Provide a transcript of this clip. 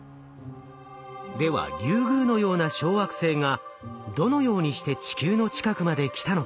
ではリュウグウのような小惑星がどのようにして地球の近くまで来たのか？